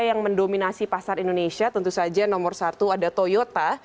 yang mendominasi pasar indonesia tentu saja nomor satu ada toyota